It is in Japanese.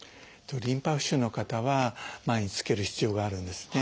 リンパ浮腫の方は毎日着ける必要があるんですね。